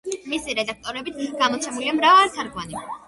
მისი რედაქტორობით გამოცემულია მრავალი თარგმანი.